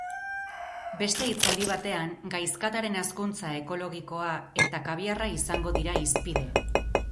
Beste hitzaldi batean gaizkataren hazkuntza ekologikoa eta kabiarra izango dira hizpide.